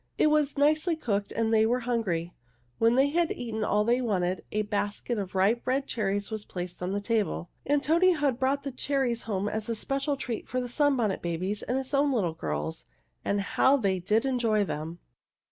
It was nicely cooked, and they were hungry. When they had eaten all they wanted, a basket of ripe red cherries was placed on the table. Antonio had brought the cherries home as a special treat for the Sunbonnet Babies and his own little girls. And how they did enjoy them!